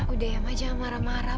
udah ya ma jangan marah marah